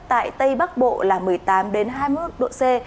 tại tây bắc bộ là một mươi tám hai mươi một độ c